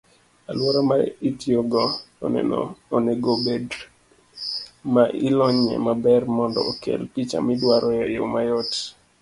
Aluora ma itiyogo onego obed ma ilonyie maber mondo okel picha midwaro eyoo mayot.